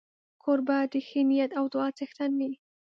کوربه د ښې نیت او دعا څښتن وي.